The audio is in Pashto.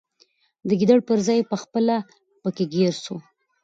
د ګیدړ پر ځای پخپله پکښي ګیر سو